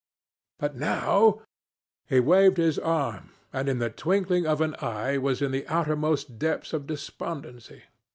'But now ' He waved his arm, and in the twinkling of an eye was in the uttermost depths of despondency.